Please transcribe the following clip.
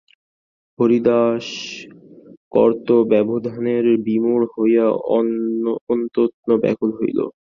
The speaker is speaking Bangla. হরিদাস কর্তব্যাবধারণে বিমূঢ় হইয়া অত্যন্ত ব্যাকুল হইল।